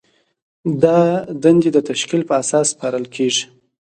دا دندې د تشکیل په اساس سپارل کیږي.